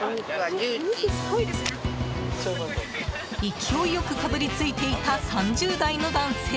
勢いよくかぶりついていた３０代の男性。